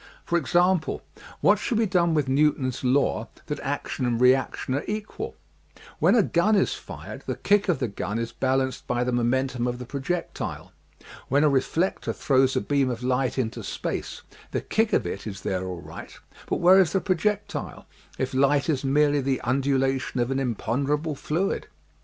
For example, what shall be done with Newton's law that action and reaction are equal? When a gun is fired the kick of the gun is balanced by the momentum of the projec tile. When a reflector throws a beam of light into space, the kick of it is there all right but where is the projectile, if light is merely the undulation of an im ponderable fluid?